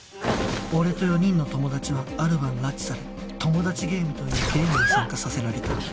俺と４人の友達はある晩拉致されトモダチゲームというゲームに参加させられた